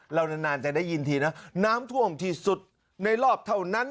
เรานานจะได้ยินทีนะน้ำท่วมที่สุดในรอบเท่านั้น